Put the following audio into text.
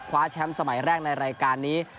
แชมป์สมัยแรกในรายการนี้